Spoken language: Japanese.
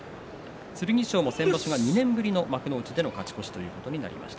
剣翔も２年ぶりの幕内での勝ち越しとなりました。